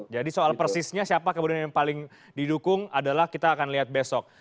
jadi soal persisnya siapa kemudian yang paling didukung adalah kita akan lihat besok